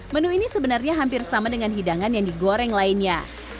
menu ini sebenarnya hampir sama dengan hidangan yang digoreng lainnya